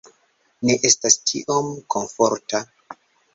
Ne estas tiom komforta